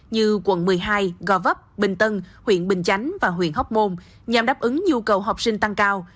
như quận một mươi hai gò vấp bình tân huyện bình chánh và huyện hóc môn nhằm đáp ứng nhu cầu học sinh tăng cao